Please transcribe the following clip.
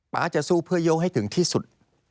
จะสู้เพื่อโยงให้ถึงที่สุด